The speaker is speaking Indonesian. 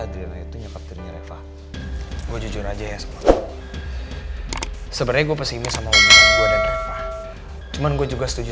adriana itu nyokap dirinya refah gue jujur aja ya sebenarnya gue pesimi sama cuman gue juga setuju